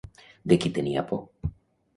De qui tenia por?